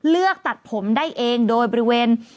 เลือกตัดผมได้เองโดยบริเวณ